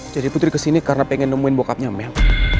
jadi putri kesini karena pengen nemuin bokapnya mel